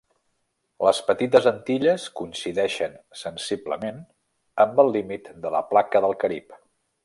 Les Petites Antilles coincideixen sensiblement amb el límit de la Placa del Carib.